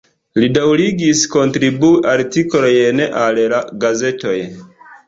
Li daŭrigis kontribui artikolojn al la gazetoj.